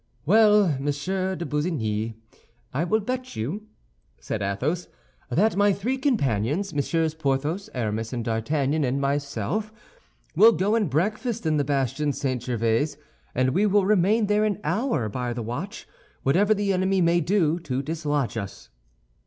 "Well, Monsieur de Busigny, I will bet you," said Athos, "that my three companions, Messieurs Porthos, Aramis, and D'Artagnan, and myself, will go and breakfast in the bastion St. Gervais, and we will remain there an hour, by the watch, whatever the enemy may do to dislodge us."